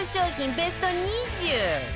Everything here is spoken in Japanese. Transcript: ベスト２０